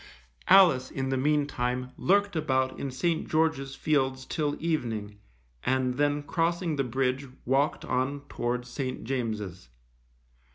Alice, in the meantime, lurked about in St. George's Fields till evening, and then crossing the bridge, walked on towards St. James's.